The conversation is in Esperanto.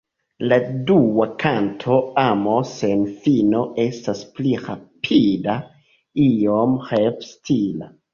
La dua kanto Amo sen fino estas pli rapida, iom rep-stila.